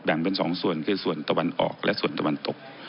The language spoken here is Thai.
เป็นสองส่วนคือส่วนตะวันออกและส่วนตะวันตก